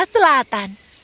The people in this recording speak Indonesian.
di desa selatan